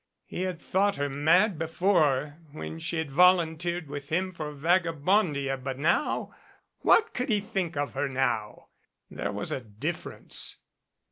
He had thought her mad before when she had volunteered with him for Vagabondia, but now What could he think of her now? There was a difference.